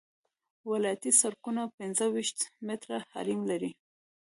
ولایتي سرکونه پنځه ویشت متره حریم لري